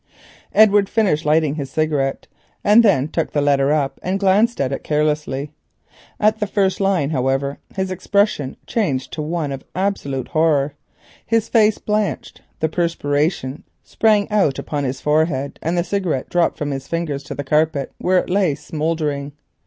Edward finished lighting his cigarette, then took the letter up and glanced at it carelessly. At sight of the first line his expression changed to one of absolute horror, his face blanched, the perspiration sprang out upon his forehead, and the cigarette dropped from his fingers to the carpet, where it lay smouldering.